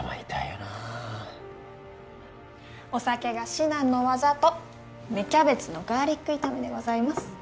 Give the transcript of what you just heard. なお酒が指南の業と芽キャベツのガーリック炒めでございます